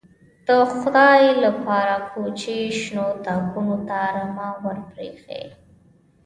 _د خدای له پاره، کوچي شنو تاکونو ته رمه ور پرې اېښې.